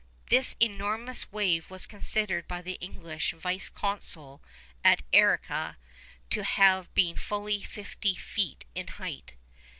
This enormous wave was considered by the English vice consul at Arica to have been fully fifty feet in height.